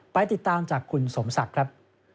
ไปติดตามจากคุณสมศักดิ์ครับ